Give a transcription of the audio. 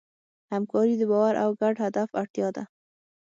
همکاري د باور او ګډ هدف اړتیا ده.